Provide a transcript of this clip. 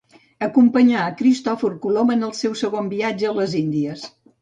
Acompanyà a Cristòfor Colom en el seu segon viatge a les Índies.